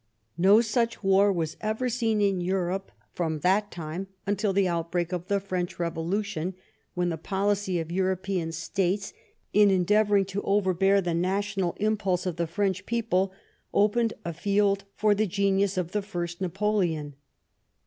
TSo such war was ever seen in 98 •*THE CAMPAIGN''— BLENHEIM Europe from that time until the outbreak of the French Revolution, when the policy of European states, in endeavoring to overbear the national impulse of the French people, opened a field for the genius of the First Napoleon.